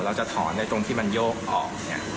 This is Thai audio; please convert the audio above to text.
เราจะถอนในตรงที่มันโยกออก